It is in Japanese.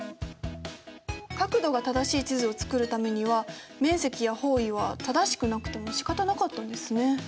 角度が正しい地図を作るためには面積や方位は正しくなくてもしかたなかったんですね。